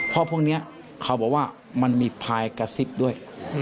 เพราะพวกนี้เขาบอกว่ามันมีพายกระซิบด้วย